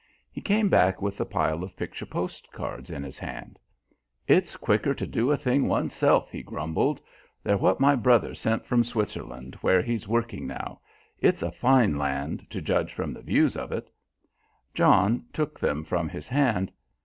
He came back with a pile of picture postcards in his hand. "It's quicker to do a thing oneself," he grumbled. "They're what my brother sent from Switzerland, where he's working now. It's a fine land, to judge from the views of it." John took them from his hand.